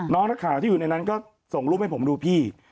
น้องนักข่าวที่อยู่ในนั้นก็ส่งรูปให้ผมดูพี่